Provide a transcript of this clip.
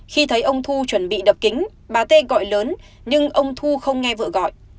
khi thấy ông thu chuẩn bị đập kính bà t gọi lớn nhưng ông thu không nghe vợ gọi